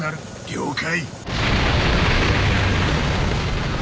了解。